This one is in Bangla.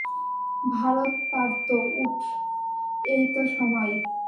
ভারত পারত উঠ এইতো সময় ।